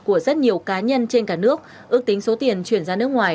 của rất nhiều cá nhân trên cả nước ước tính số tiền chuyển ra nước ngoài